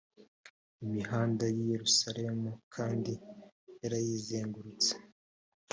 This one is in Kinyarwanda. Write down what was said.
imihanda y’i yerusalemu kandi yarayizengurutse